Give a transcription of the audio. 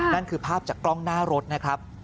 นั่นคือภาพจากกล้องหน้ารถนะครับ